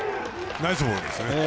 ナイスボールですね。